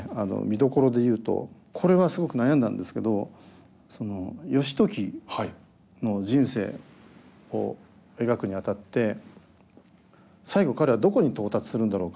見どころで言うとこれはすごく悩んだんですけどその義時の人生を描くにあたって最期彼はどこに到達するんだろうか。